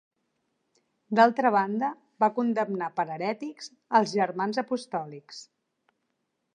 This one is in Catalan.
D'altra banda, va condemnar per herètics els Germans Apostòlics.